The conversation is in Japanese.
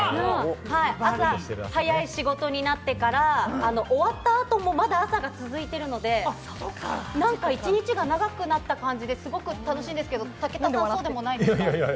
朝早い仕事になってから終わった後も、まだ朝が続いているので、なんか一日が長くなった感じで、すごく楽しいんですけれども武田さんはそうでもないですか？